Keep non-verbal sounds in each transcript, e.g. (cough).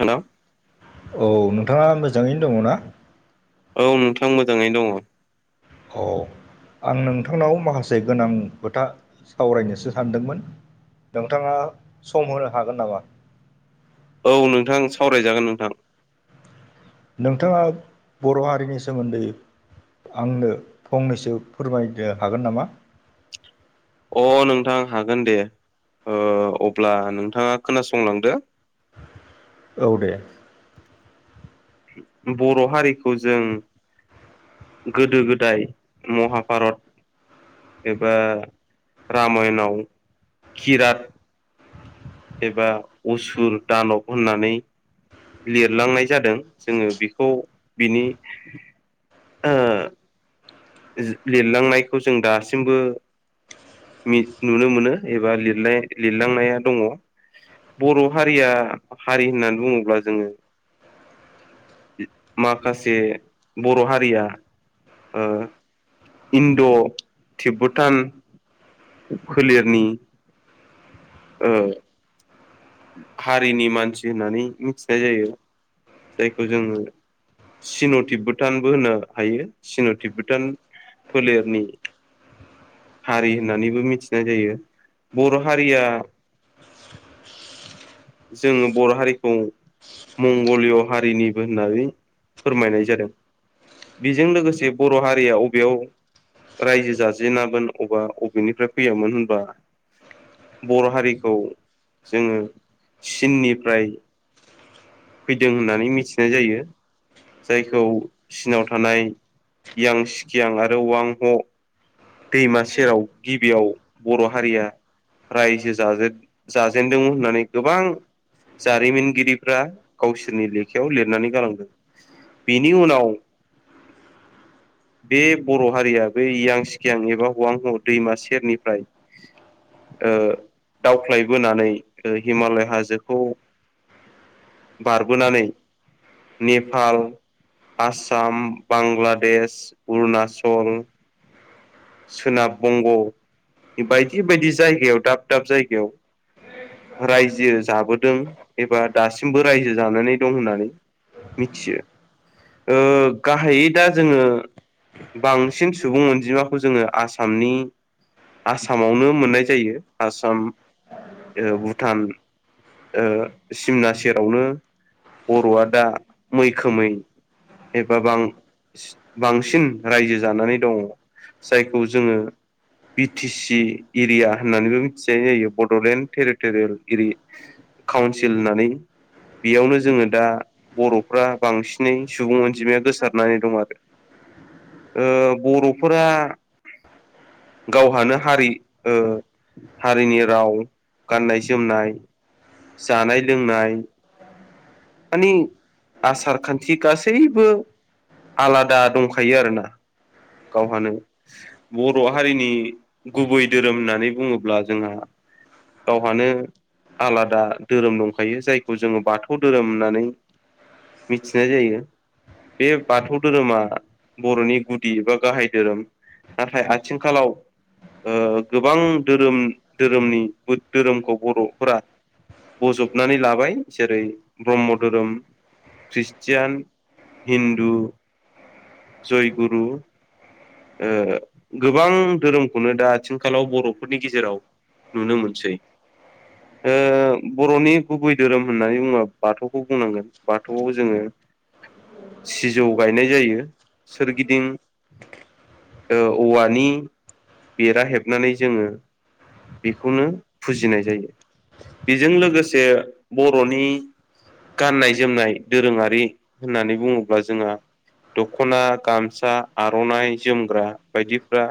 Hello औ नोंथाङा मोजाङैनो दङ ना? औ नोंथां मोजाङैनो दङ। औ आं नोंथांनाव माखासे गोनां खोथा सावरायनोसो सानदोंमोन। नोंथाङा सम होनो हागोन नामा? औ नोंथां सावरायजागोन नोंथां। नोंथाङा बर' हारिनि सोमोन्दै आंनो फंनैसो फोरमायनो हागोन नामा? अ नोंथां हागोन दे। ओ अब्ला नोंथाङा खोनासंलांदो औ दे बर' हारिखौ जों गोदो गोदाय महाभारत एबा रामायणाव खिराद एबा उसुर दानब होननानै लिरलांनाय जादों जोङो बेखौ बिनि लिरलांनायखौ जों दासिमबो मि नुनो मोनो एबा लिरलाय लिरलांनाया दङ। बर' हारिया हारि होननानै बुङोब्ला जोङो माखासे बर' हारिया ओ इन्ड' तिब्बुटान फोलेरनि ओ हारिनि मानसि होननानै मिथिनाय जायो जायखौ जोङो सिन' तिब्बुटानबो होननो हायो सिन' तिब्बुटान फोलेरनि हारि होननानैबो मिथिनाय जायो बर' हारिया जोङो बर' हारिखौ मंगलिय हारिनिबो होननानै फोरमायनाय जादों। बेजों लोगोसे बर' हारिया अबेयाव रायजो जाजेनामोन अबा अबेनिफ्राय फैयामोन होनबा बर' हारिखौ जोङो चिननिफ्राय फैदों होननानै मिथिनाय जायो। जायखौ चीनाव थानाय यां सिकियां आरो वां ह' दैमा सेराव गिबियाव बर' हारिया रायजो जाजेन जाजेनदोंमोन होननानै गोबां जारिमिनगिरिफ्रा गावसोरनि लेखायाव लिरनानै गालांदों। बेनि उनाव बे बर' हारिया बे इयां चि खियां एबा हवां ह' दैमा सेरनिफ्राय ओ दावख्लायबोनानै हिमालय हाजोखौ बारबोनानै नेपाल, आसाम, बांलादेश, अरुनाचल सोनाब बंग' बायदि बायदि जायगायाव दाब दाब जायगायाव रायजो जाबोदों एबा दासिमबो रायजो जानानै दं होननानै मिथियो। गाहायै दा जोङो बांसिन सुबुं अनजिमा खौ जोङो आसामनि आसामावनो मोननाय जायो। आसाम ओ भुटान सिमना सेरावनो बर'आ दा मैखोमै एबा बां सि बांसिन रायजो जानानै दङ। जायखौ जोङो बि टि सि इरिया होननानैबो मिथिजनाय जायो बड'लेण्ड टेरिट'रियेल एरि काउन्सिल होननानै। बेयावनो जोङो दा बर'फ्रा बांसिनै सुबुं अनजिमाया गोसारनानै दं आरो। ओ बर'फोरा गावहानो हारि ओ हारिनि राव, गाननाय जोमनाय जानाय लोंनाय मानि आसार खान्थि गासैबो आलादा दंखायो आरोना गावहानो। बर' हारिनि गुबै धोरोम होननानै बुङोब्ला जोंहा गावहानो आलादा धोरोम दंखायो। जायखौ जोङो बाथौ धोरोम होननानै मिथिनाय जायो। बे बाथौ धोरोमा बर'नि गुदि एा गाहाय धोरोम। नाथाय आथिंखालाव ओ गोबां धोरोम धोरोमनि बु धोरोमखौ बर'फोरा बजबनानै लाबाय जेरै ब्रह्म धोरोम ख्रिष्टियान हिन्दु जयगुरु गोबां दोरोमखौनो दा आथिंखालाव बर'फोरनि गेजेराव नुनो मोनसै। बर'नि गुबै धोरोम होननानै बुङो बाथौखौ बुंनांगोन। बाथौआव जोङो सिजौ गायनाय जायो, सोरगिदिं औवानि बेरा हेबनानै जोङो बेखौनो फुजिनाय जायो। बेजों लोगोसे बर'नि गाननाय जोमनाय दोरोङारि होननानै बुङोब्ला जोंहा दख'ना गामसा आर'नाइ जोमग्रा बायदिफ्रा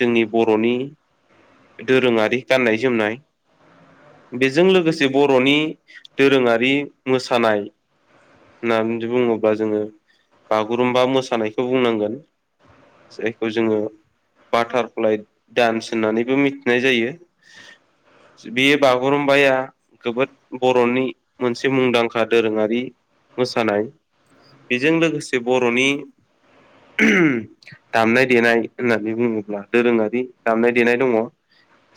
जोंनि बर'नि दोरोङारि गाननाय जोमनाय बेजों लोगोसे बर'नि दोरोङारि मोसानाय होननानै बुङोब्ला जोङो बागुरुम्बा मोसानायखौ बुंनांगोन। जायखौ जोङो बाटारफ्लाइ डान्स होननानैबो मिथिनाय जायो। बे बागुरुमबाया जोबोद बर'नि से मुंदांखा दोरोङारि मोसानाय। बेजों लोगोसे बर'नि (inaudible) दामनाय देनाय होननानै बुङोब्ला दोरोङारि दामनाय देनाय दङ।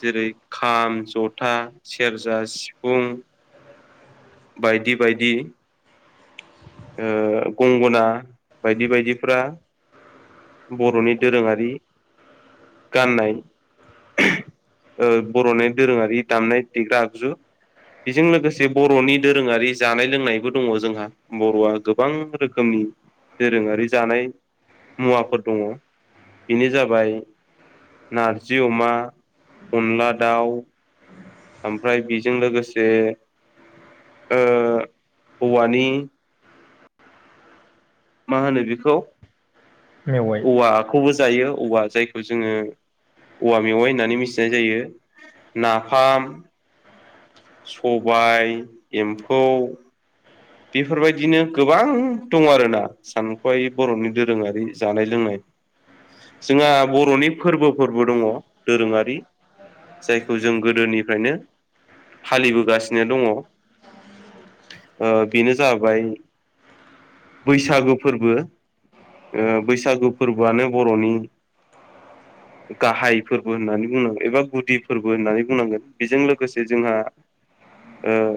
जेरै खाम, जथा, सेरजा, सिफुं बायदि बायदि ओ गंगना बायदि बायदिफ्रा बर'नि दोरोङारि गाननाय ओहो ओ बर'नि दोरोङारि दामनाय देग्रा आगजु। बेजों लोगोसे बर'नि दोरोङारि जानाय लोंनायबो दङ जोंहा बर'आ गोबां रोखोमनि। दोरोङारि जानाय मुवाफोर दङ। बेनो जाबाय नारजि अमा, अनला दाउ ओमफ्राय बेजों लोगोसे ओ हौवानि मा होनो बेखौ मेवाइ (inaudible) औवाखौबो जायो औवा। जायखौ जोङो औवा मेवाइ होननानै मिथिनाय जायो। नाफाम सबाय एम्फौ बेफोरबायदिनो गोबां दङ आरोना। सानख'हायै बर'नि दोरोङारि जानाय लोंनाय। जोंहा बर'नि फोरबोफोरबो दङ दोरोङारि जायखौ जों गोदोनिफ्रायनो फालिबोगासिनो दङ ओ बेनो जाबाय (inaudible) बैसागु फोरबो। ओ बैसागु फोरबोआनो बर'नि (inaudible) गाहाय फोरबो होननानै बुंनांगोन एबा गुदि फोरबो होननानै बुंनांगोन। बेजों लोगोसे जोंहा ओ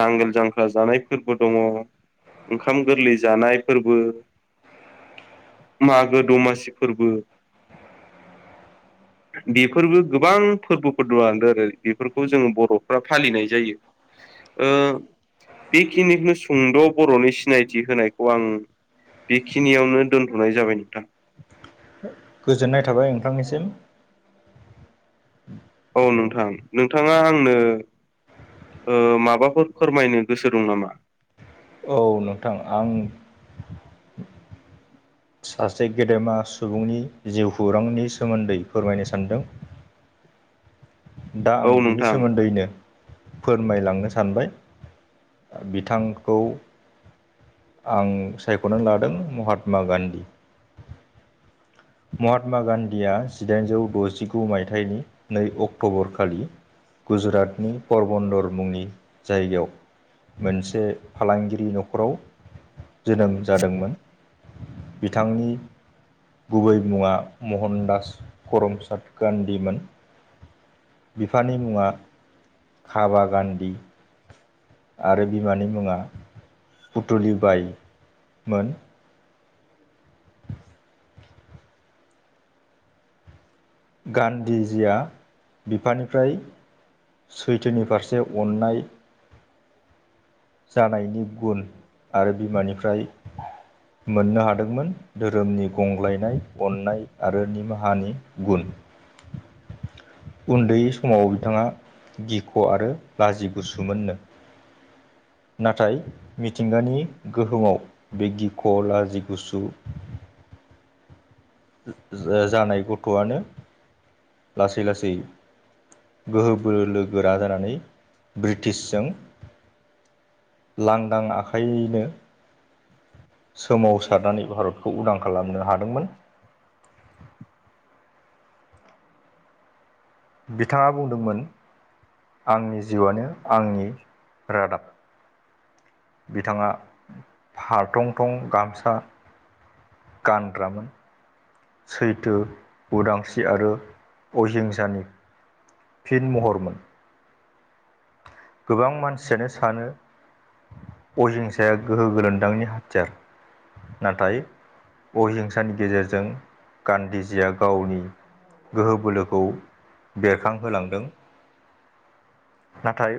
नांगोल जांख्रा जानाय फोरबो दंङ। ओंखाम गोरलै जानाय फोरबो मागो दमासि फोरबो (inaudible) बेफोरबो गोबां फोरबोफोर दं दों आरो बेफोरखौ जोंङो बर'फ्रा फालिनाय जायो। ओ बेखिनिखौनो सुंद' बर'नि सिनायथि होनायखौ आं बेखिनियावनो दोनथ'नाय जाबाय नोंथां। गोजोननाय थाबाय नोंथांनिसिम। औ नोंथां नोंथांङा आंनो ओ माबाफोर फोरमायनो गोसो दं नामा? औ नोंथां आं सासे गेदेमा सुबुंनि जिउ खौरांनि सोमोन्दै फोरमायनो सानदों। दा आं औ बिनि नोंथां सोमोन्दैनो फोरमायलांनो सानबाय। (inaudible) ओ बिथांखौ आं सायख'नो लादों महात्मा गान्धी। महात्मा गान्धीया जिदाइनजौ द'जिगु माइथाइनि नै अक्ट'बरखालि गुजुरातनि परबब'न्दर मुंनि जायगायाव मोनसे फालांगिरि न'खराव जोनोम जादोंमोन। बिथांनि गुबै मुंङा महनदास करमचाद गान्धीमोन। बिफानि मुंङा खाबा गान्धी। आरो बिमानि मुंङा पुथुलि बायमोन। गान्धीजिया बिफानिफ्राय सैथोनि फारसे अननाय जानायनि गुन आरो बिमानिफ्राय मोननो हादोंमोन। धोरोमनि गंग्लायनाय अननाय आरो निमाहानि गुन। उन्दै समाव बिथांङा गिख' आरो लाजिगुसुमोननो। नाथाय मिथिंगानि गोहोमाव बे गिख' लाजि गुसु जानाय गथ'आनो लासै लासै गोहो बोलो गोरा जानानै ब्रिटिसजों लांदां आखाइयैनो सोमावसारनानै भारतखौ उदां खालामनो हादोंमोन। बिथांङा बुंदोंमोन आंनि जिउआनो आंनि रादाब। बिथांङा फारथं थं गामसा गानग्रामोन सैथो उदांस्रि आरो अहिंसानि फिन महरमोन गोबां मानसियानो सानो अहिंसाया गोहो गोलोम्दांनि हाथियार। नाथाय अहिंसानि गेजेरजों गान्धीजीया गावनि गोहो बोलोखौ बेरखांहोलांदों, नाथाय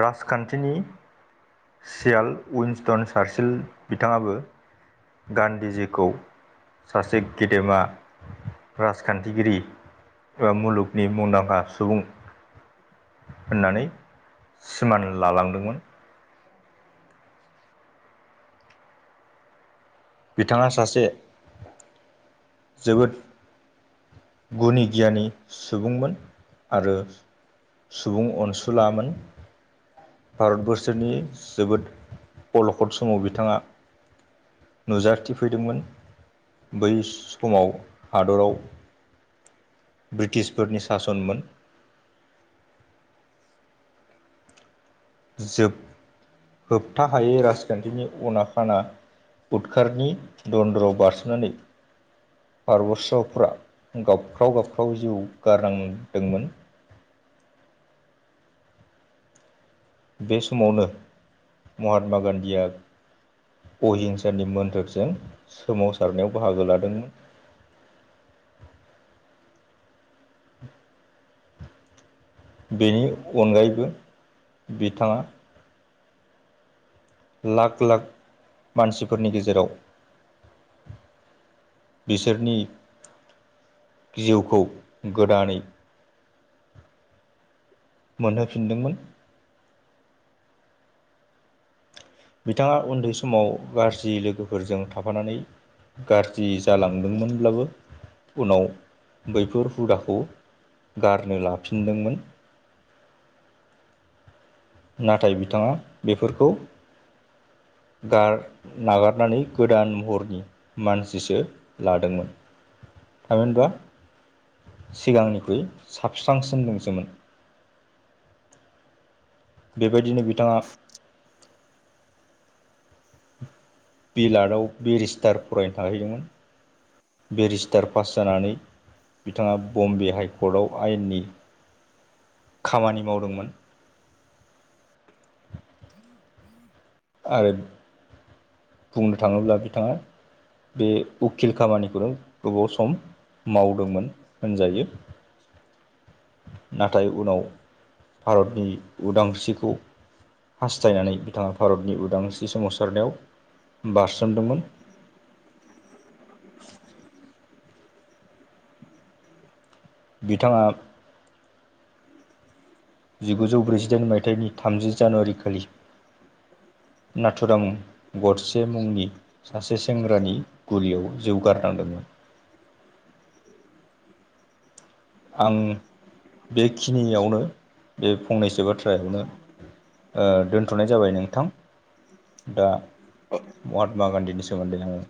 राजखान्थिनि सियाल उनस्टन सारसिल बिथांङाबो गान्धीजिखौ सासे गेदेमा राजखान्थिगिरि एबा मुलुगनि मुंदांखा सुबुं, होननानै सिमान लालांदोंमोन बिथांङा सासे जोबोद गुनि गियानि सुबुंमोन आरो सुबुं अनसुलामोन भारतबर्सोरनि जोबोद अलखद समाव बिथांङा नुजाथिफैदोंमोन। बै समाव हादराव ब्रिटिसफोरनि सासनमोन। जोब होबथा हायै राजखान्थिनि अना खाना उदखारारनि दन्दरआव बारसोननानै पार्वतषवफ गाबख्राव गाबख्राव जिउ गारनांदोंमोन। बे समावनो महात्मा गान्धीया अहिंसानि मोन्थोरजों सोमावसारनायाव बाहागो लादोंमोन। बेनि अनगायैबो बिथाङा लाख लाख मानसिफोरनि गेजेराव बिसोरनि जिउखौ गोदानै मोनहोफिनदोंमोन। बिथाङा उन्दै समाव गाज्रि लोगोफोरजों थाफानानै गाज्रि जालांदोंमोनब्लाबो उनाव बैफोर हुदाखौ गारनो लाफिनदोंमोन। नाथाय बिथाङा बेफोरखौ, गार नागारनानै गोदान महरनि मानसिसो लादोंमोन। थामिनबा सिगांनिख्रुइ साबस्रांसिन दंसोमोन। बेबायदिनो बिथाङा बिलडआव बेरिस्टार फरायनो थाहैदोंमोन बेरिस्टार पास जानानै बिथाङा बम्बे हाइकर्टआव आयेननि खामानि मावदोंमोन। आरो बुंनो थाङोब्ला बिथाङा बे उखिल खामानिखौनो गोबाव सम मावदोंमोन होनजायो। नाथाय उनाव भारतनि उदांस्रिखौ हास्थायनानै बिथाङा भारतनि उदांस्रि सोमावसारनायाव बारसोमदोंमोन। बिथाङा जिगुजौ ब्रैजिदाइन मायथाइनि थामजि जानुवारि खालि नाथुराम गरसे मुंनि सासे सेंग्रानि गुलियाव जिउ गारनांदोंमोन। आं बेखिनियावनो बे फंनैसो बाथ्रायावनो ओ दोनथ'नाय जाबाय नोंथां दा महात्मा गान्धीनि सो सोमोन्दै आंङो